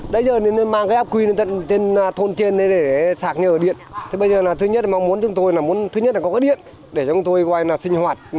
đấy giờ nên mang cái áp quy lên tên thôn trên để sạc ở điện thứ nhất là có điện để chúng tôi sinh hoạt